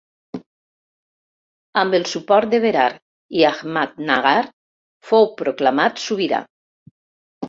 Amb el suport de Berar i Ahmadnagar, fou proclamat sobirà.